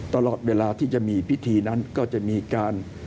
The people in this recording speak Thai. ตลอดเวลาที่จะมีพิธีนั้นก็จะมีการ